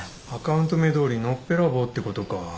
アカウント名どおりのっぺらぼうってことか。